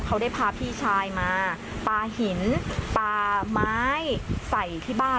เขาได้พาพี่ชายมาปลาหินปลาไม้ใส่ที่บ้าน